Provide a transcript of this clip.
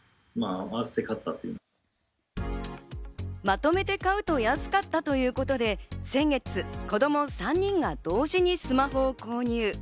まとめて買うと安かったということで、先月、子供３人が同時にスマホを購入。